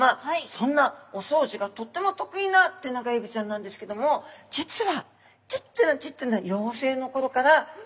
そんなお掃除がとっても得意なテナガエビちゃんなんですけども実はちっちゃなちっちゃな